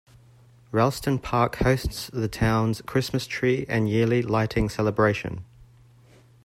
Ralston Park hosts the town's Christmas tree and yearly lighting celebration.